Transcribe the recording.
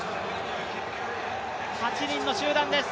８人の集団です。